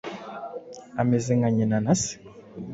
Ameze nka nyina na se.